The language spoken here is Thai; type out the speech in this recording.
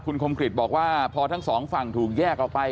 คุณคมกริจบอกว่าพอทั้งสองฝั่งถูกแยกออกไป